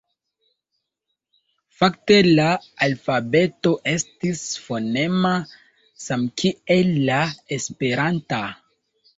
Fakte la alfabeto estis fonema, samkiel la esperanta.